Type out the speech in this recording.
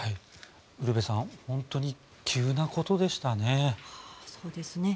ウルヴェさん本当に急なことでしたね。